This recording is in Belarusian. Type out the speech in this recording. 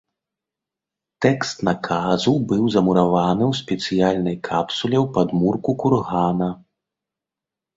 Тэкст наказу быў замураваны ў спецыяльнай капсуле ў падмурку кургана.